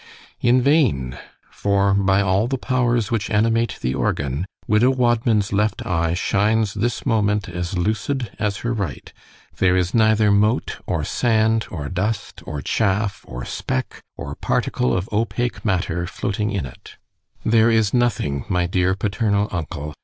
——In vain! for by all the powers which animate the organ——Widow Wadman's left eye shines this moment as lucid as her right——there is neither mote, or sand, or dust, or chaff, or speck, or particle of opake matter floating in it—There is nothing, my dear paternal uncle!